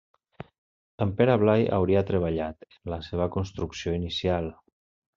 En Pere Blai hauria treballat en la seva construcció inicial.